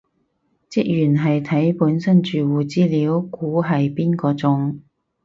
職員係睇本身住戶資料估係邊個中